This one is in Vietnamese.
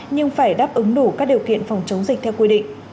nhưng phải đáp ứng đủ các điều kiện phòng chống dịch theo quy định